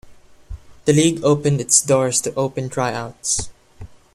The league opened its doors to open try-outs.